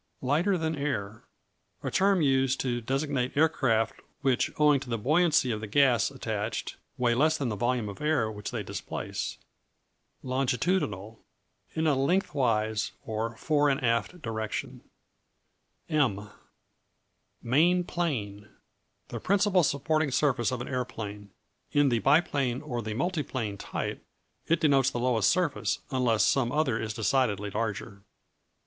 Lighter than air A term used to designate aircraft which, owing to the buoyancy of the gas attached, weigh less than the volume of air which they displace. Longitudinal In a lengthwise, or fore and aft direction. M Main Plane The principal supporting surface of an aeroplane. In the biplane, or the multiplane type, it denotes the lowest surface, unless some other is decidedly larger.